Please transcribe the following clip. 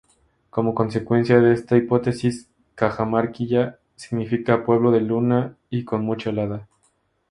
Como consecuencia de esta hipótesis, Cajamarquilla significa pueblo de luna y con mucha helada.